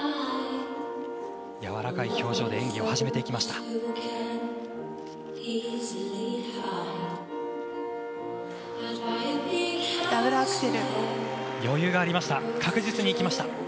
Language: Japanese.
柔らかい表情で演技を始めていきました。